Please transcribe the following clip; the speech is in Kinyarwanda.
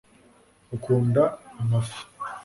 ukunda amafi